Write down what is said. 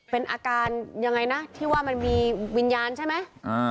เป็นอาการยังไงนะที่ว่ามันมีวิญญาณใช่ไหม